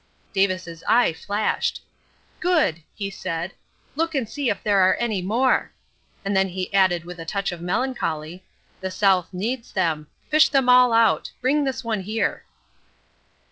Davis's eye flashed. "Good!" he said. "Look and see if there are many more," and then he added with a touch of melancholy, "The South needs them: fish them all out. Bring this one here."